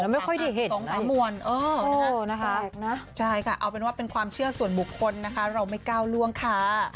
ไม่ค่อยได้เห็นเอาเป็นว่าเป็นความเชื่อส่วนบุคคลนะคะเราไม่ก้าวลวงค่ะ